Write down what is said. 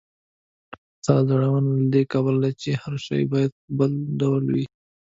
ستا ځوریدنه له دې کبله ده، چې هر شی باید بل ډول وي.